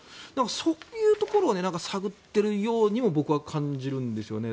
そういうところを探っているようにも僕は感じるんですよね。